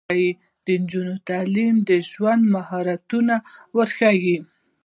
د نجونو تعلیم د ژوند مهارتونه ورښيي.